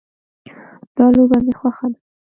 دا لوبه مې خوښه ده